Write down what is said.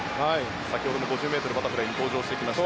先ほども５０ｍバタフライに登場してきました。